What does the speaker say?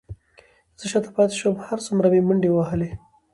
زه شاته پاتې شوم، هر څومره مې منډې وهلې،